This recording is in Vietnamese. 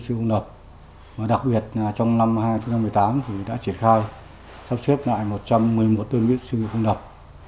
sự nghiệp công lập đặc biệt trong năm hai nghìn một mươi tám thì đã triển khai sắp xếp lại một trăm một mươi một đơn vị sự nghiệp công lập